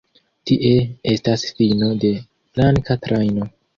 Tie estas fino de flanka trajno.